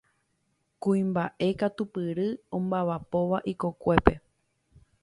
Kuimbaʼe katupyry ombaʼapóva ikokuépe.